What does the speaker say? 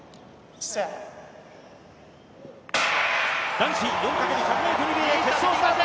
男子４×１００ｍリレー決勝スタート。